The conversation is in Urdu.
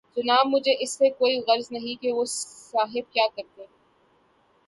جناب مجھے اس سے کوئی غرض نہیں کہ وہ صاحب کیا کرتے ہیں۔